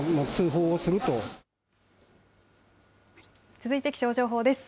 続いて気象情報です。